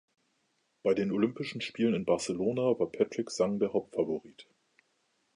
Bei den Olympischen Spielen in Barcelona war Patrick Sang der Hauptfavorit.